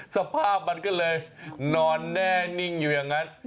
สภาพมันก็เลยนอนแน่นิ่งอยู่อย่างนั้น